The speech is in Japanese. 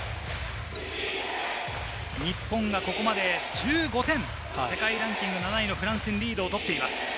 日本がここまで１５点、世界ランキング７位のフランスにリードを取っています。